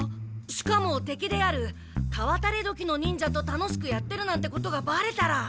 しかも敵であるカワタレドキの忍者と楽しくやってるなんてことがバレたら。